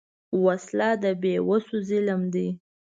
وسله د بېوسو ظلم ده